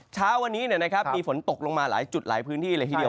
เช้าวันนี้มีฝนตกลงมาหลายจุดหลายพื้นที่เลยทีเดียว